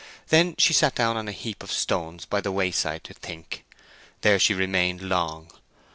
Then she sat down on a heap of stones by the wayside to think. There she remained long.